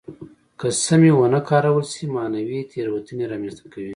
که سمې ونه کارول شي معنوي تېروتنې را منځته کوي.